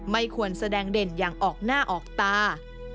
ไม่ควรแสดงเด่นอย่างออกหน้าออกตา